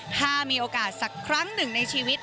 ถ้ามีโอกาสสักครั้งหนึ่งในชีวิต